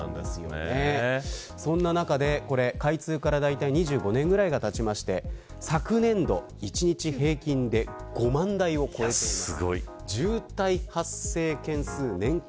そんな中で開通からだいたい２５年ぐらいたちまして昨年度、１日平均で５万台を超えています。